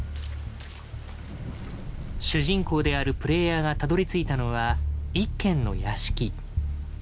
主人公であるプレイヤーがたどりついたのは一軒の屋敷。